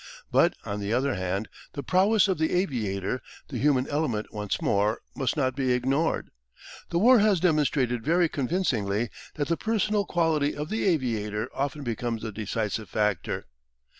But, on the other hand, the prowess of the aviator the human element once more must not be ignored. The war has demonstrated very convincingly that the personal quality of the aviator often becomes the decisive factor.